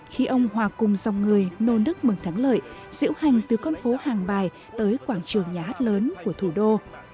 khi ông hòa cùng dòng người nôn đức mừng thắng lợi diễu hành từ con phố hàng bài tới quảng trường nhà hát lớn của thủ đô